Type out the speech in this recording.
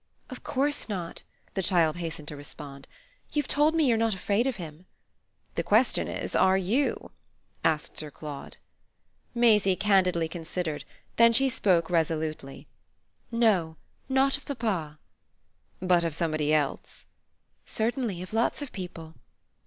"Of course not," the child hastened to respond. "You've told me you're not afraid of him." "The question is are you?" said Sir Claude. Maisie candidly considered; then she spoke resolutely. "No, not of papa." "But of somebody else?" "Certainly, of lots of people."